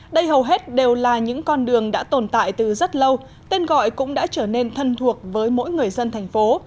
đây hầu hết đều là những con đường đã tồn tại từ rất lâu tên gọi cũng đã trở nên thân thuộc với mỗi người dân thành phố